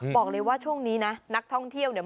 บอกเลยว่าช่วงนี้นะนักท่องเที่ยวเนี่ย